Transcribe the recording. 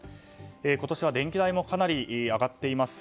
今年は電気代もかなり上がっています。